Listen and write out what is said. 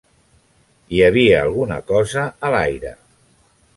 Hi havia alguna cosa a l'aire.